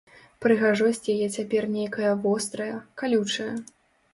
Прыгажосць яе цяпер нейкая вострая, калючая.